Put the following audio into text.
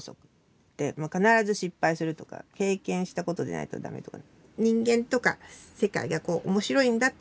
必ず失敗するとか経験したことでないとだめとか。